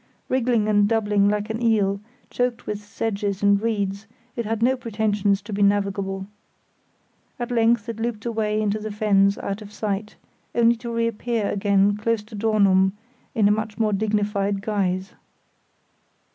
Wriggling and doubling like an eel, choked with sedges and reeds, it had no pretensions to being navigable. At length it looped away into the fens out of sight, only to reappear again close to Dornum in a much more dignified guise.